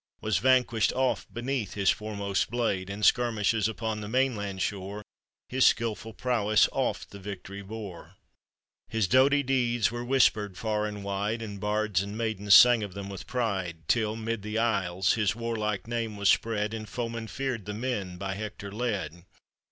Was vanquished oft beneath his foremost blade; [n skirmishes upon the mainland shore, His skillful prowess oft the victory bore; His doughty deeds were whispered far and wide, And bards and maidens sang of them with pride, Till 'mid the Isles his warlike name was spread, And foemen feared the men by Hector led.